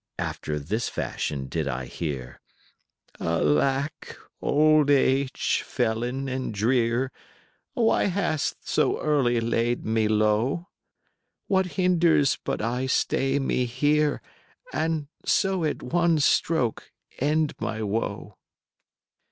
After this fashion did I hear: "Alack! old age, felon and drear, 5 Why hast so early laid me low? What hinders but I stay me here And so at one stroke end my woe?